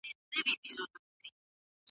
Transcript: مکناټن شاه شجاع د معاهدې لاسلیک ته هڅوي.